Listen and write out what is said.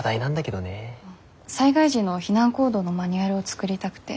災害時の避難行動のマニュアルを作りたくて。